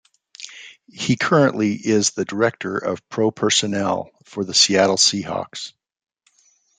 He currently is the Director of Pro Personnel for the Seattle Seahawks.